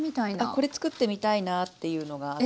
これ作ってみたいなっていうのがあったりとか。